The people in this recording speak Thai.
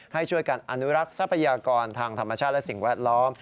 ให้ช่วยกันอนุรักษ์ทรัพยากรทางธรรมชาติและสิ่งแวดล้อม